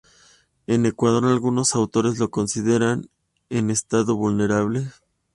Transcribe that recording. En Ecuador, algunos autores lo consideran en estado vulnerable.